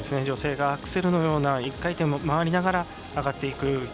女性がアクセルのような１回転回りながら上がっていく